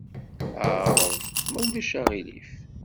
Ɛreḍ, ma ulac aɣilif.